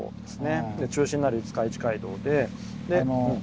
中心になる五日市街道で。